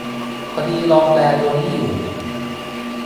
พอดีลองแปลตัวนี้อยู่